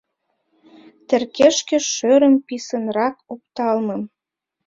Теркешке шӧрым писынрак опталмым.